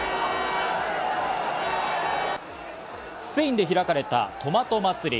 スペインで開かれたトマト祭り。